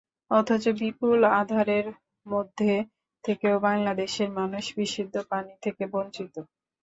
অথচ বিপুল আধারের মধ্যে থেকেও বাংলাদেশের মানুষ বিশুদ্ধ পানি থেকে বঞ্চিত।